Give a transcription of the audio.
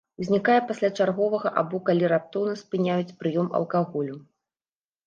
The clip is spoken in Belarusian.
Узнікае пасля чарговага або калі раптоўна спыняюць прыём алкаголю.